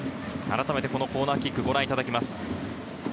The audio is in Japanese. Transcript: あらためてコーナーキック、ご覧いただきます。